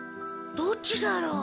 どっちだろう？